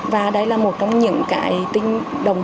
và đây là một trong những đồng chí